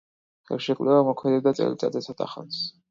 ხელშეკრულება მოქმედებდა წელიწადზე ცოტახანს.